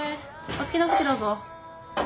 お好きなお席どうぞ。